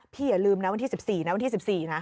พี่อย่าลืมนะวันที่๑๔น่ะ